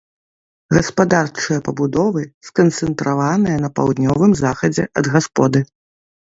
Гаспадарчыя пабудовы сканцэнтраваныя на паўднёвым захадзе ад гасподы.